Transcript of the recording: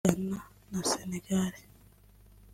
Ghana na Sénégal